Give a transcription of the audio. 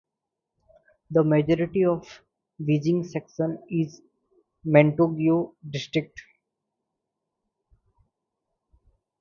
The majority of the Beijing section is in Mentougou District.